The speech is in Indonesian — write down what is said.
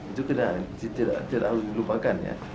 itu tidak terlalu dilupakan ya